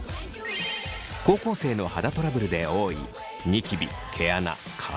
高校生の肌トラブルで多いニキビ毛穴乾燥。